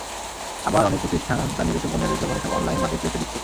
আবার অনেক প্রতিষ্ঠান তার নিজস্ব পণ্যের বিজ্ঞাপন এসব অনলাইন মার্কেটপ্লেসে দিচ্ছে।